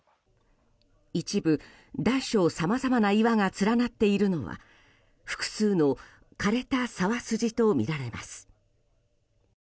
一部大小さまざまな岩が連なっているのは複数の枯れた沢筋とみられます。